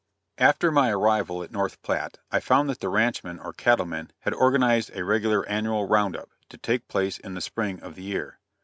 After my arrival at North Platte, I found that the ranchmen or cattle men, had organized a regular annual "round up," to take place in the spring of the year.